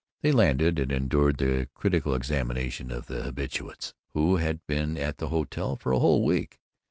They landed, and endured the critical examination of the habitués who had been at the hotel for a whole week.